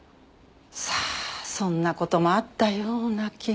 さあそんな事もあったような気は。